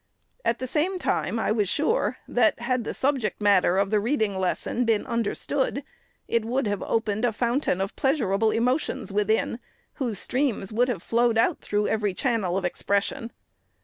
At the same time, I was sure, that, had the subject matter of the reading lesson been understood, it would have opened a fountain of pleasurable emotions within, whose streams would have flowed out through every channel of expression.